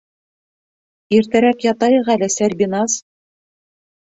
Иртәрәк ятайыҡ әле, Сәрбиназ.